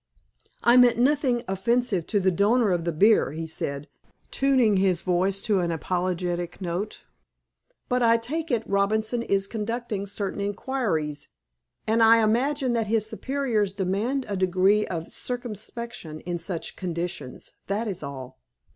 "I meant nothing offensive to the donor of the beer," he said, tuning his voice to an apologetic note. "But I take it Robinson is conducting certain inquiries, and I imagine that his superiors demand a degree of circumspection in such conditions. That is all."